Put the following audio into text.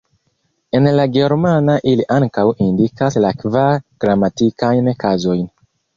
En la germana ili ankaŭ indikas la kvar gramatikajn kazojn.